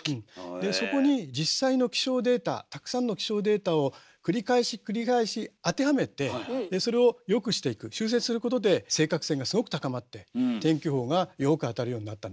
でそこに実際の気象データたくさんの気象データを繰り返し繰り返し当てはめてでそれを良くしていく修正することで正確性がすごく高まって天気予報がよく当たるようになったんだよね。